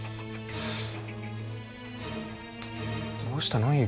どうしたの？